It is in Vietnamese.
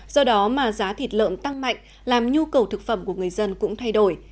do đó mà giá thịt lợn tăng mạnh làm nhu cầu thực phẩm của người dân cũng thay đổi